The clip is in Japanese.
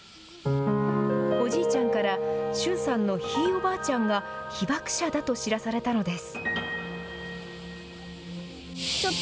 おじいちゃんから駿さんのひいおばあちゃんが被爆者だと知らされたのです。